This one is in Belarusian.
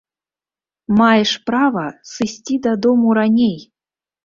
Маеш права сысці дадому раней!